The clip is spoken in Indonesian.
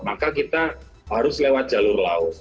maka kita harus lewat jalur laut